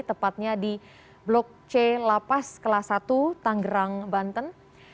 tepatnya di blok c lapas kelas satu tanggerang banten